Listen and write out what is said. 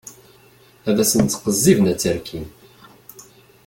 Ad sen-ttqezziben, ad tt-rkin.